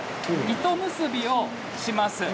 糸結びします。